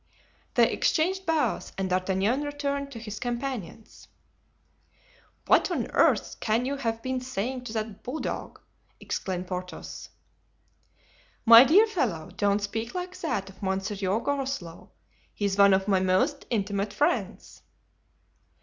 They exchanged bows and D'Artagnan returned to his companions. "What on earth can you have been saying to that bulldog?" exclaimed Porthos. "My dear fellow, don't speak like that of Monsieur Groslow. He's one of my most intimate friends."